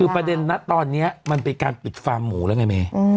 คือประเด็นนะตอนนี้มันเป็นการปิดฟาร์มหมูแล้วไงเม